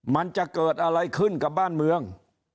มันจะเกิดอะไรขึ้นกับบ้านเมือง